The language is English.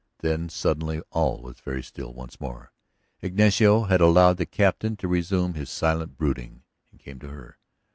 Then suddenly all was very still once more; Ignacio had allowed the Captain to resume his silent brooding, and came to her.